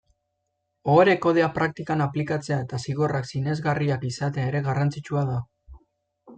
Ohore-kodea praktikan aplikatzea eta zigorrak sinesgarriak izatea ere garrantzitsua da.